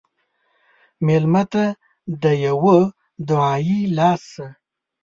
مېلمه ته د یوه دعایي لاس شه.